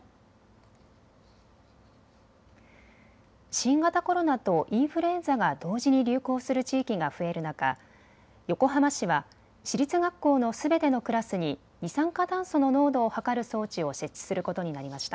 新型コロナとインフルエンザが同時に流行する地域が増える中、横浜市は市立学校のすべてのクラスに二酸化炭素の濃度を測る装置を設置することになりました。